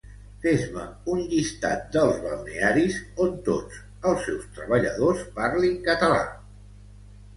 Fes-me un llistat dels balnearis on tots els seus treballadors parlin català